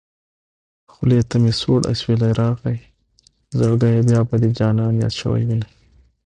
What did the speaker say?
خولې ته مې سوړ اوسېلی راغی زړګيه بيا به دې جانان ياد شوی وينه